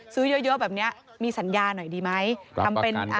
ซื้อเยอะแบบนี้มีสัญญาหน่อยดีไหมทำเป็น